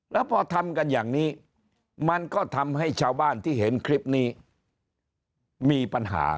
แล้วพอทำกันอย่างนี้มันก็ทำให้ชาวบ้านที่เห็นคลิปนี้มีปัญหา